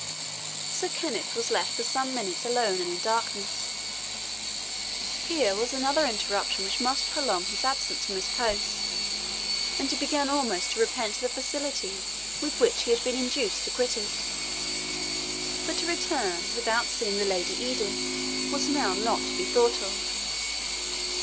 Sir Kenneth was left for some minutes alone and in darkness. Here was another interruption which must prolong his absence from his post, and he began almost to repent the facility with which he had been induced to quit it. But to return without seeing the Lady Edith was now not to be thought of.